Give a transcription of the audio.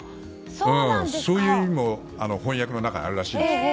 そういう意味も翻訳の中にあるそうです。